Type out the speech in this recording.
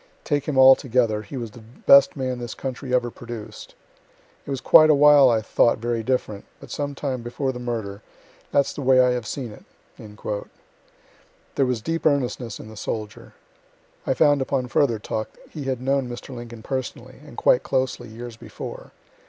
Take him altogether, he was the best man this country ever produced. It was quite a while I thought very different; but some time before the murder, that's the way I have seen it." There was deep earnestness in the soldier. (I found upon further talk he had known Mr. Lincoln personally, and quite closely, years before.)